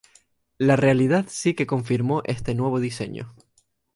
La realidad sí que confirmó este nuevo diseño.